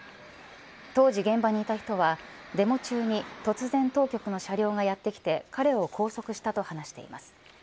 当時、現場にいた人はデモ中に突然、当局の車両がやってきて彼を拘束したと話しています。